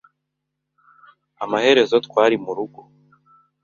Amaherezo, twari murugo!